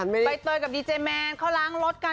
ใบเตยกับดีเจแมนเขาล้างรถกัน